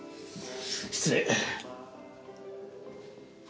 失礼。